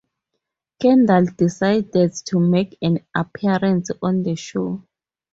Kendall decides to make an appearance on the show.